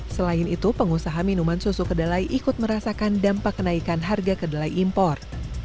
selain itu pengusaha minuman susu kedelai ikut merasakan dampak kenaikan harga kedelai impor